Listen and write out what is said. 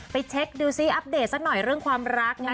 เช็คดูซิอัปเดตสักหน่อยเรื่องความรักนะคะ